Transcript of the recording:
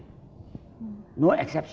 tidak ada kecuali